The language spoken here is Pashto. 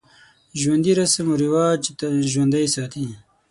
ژوندي رسم و رواج ژوندی ساتي